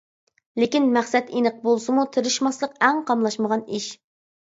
لېكىن، مەقسەت ئېنىق بولسىمۇ، تىرىشماسلىق ئەڭ قاملاشمىغان ئىش.